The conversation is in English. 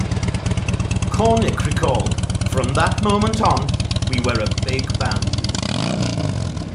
Cornick recalled, from that moment on, we were a big band.